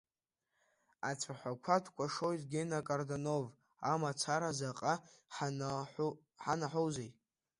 Ацәаҳәақәа дкәашоит Гена Карданов амацара заҟа ҳанаҳәоузеи.